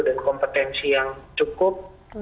dan kompetensi yang cukup